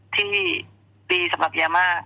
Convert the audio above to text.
ที่ดีสำหรับยาม่า